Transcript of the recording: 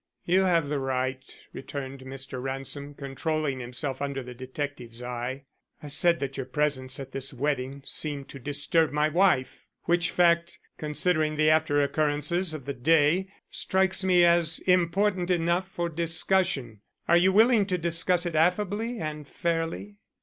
"You have the right," returned Mr. Ransom, controlling himself under the detective's eye. "I said that your presence at this wedding seemed to disturb my wife, which fact, considering the after occurrences of the day, strikes me as important enough for discussion. Are you willing to discuss it affably and fairly?"